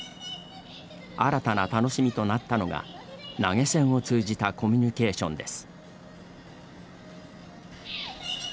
新たな楽しみとなったのが投げ銭を通じたコミュニケーションです。